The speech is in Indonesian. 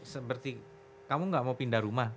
seperti kamu gak mau pindah rumah